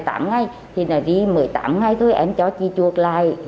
tám ngày thì đi một mươi tám ngày thôi em cho chị chuộc lại